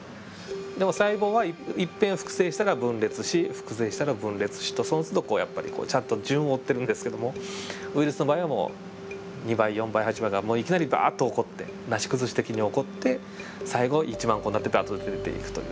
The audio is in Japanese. でも細胞はいっぺん複製したら分裂し複製したら分裂しとそのつどこうちゃんと順を追ってるんですけどもウイルスの場合はもう２倍４倍８倍がいきなりバッと起こってなし崩し的に起こって最後１万個になってダッと出ていくという。